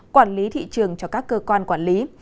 quản lý thị trường cho các cơ quan quản lý